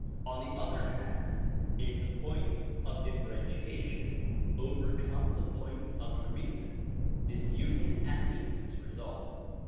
On the other hand if the points of differentiation overcome the points of agree ment, disunion and weakness result.